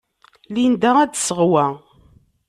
Linda ad d-tseɣ wa.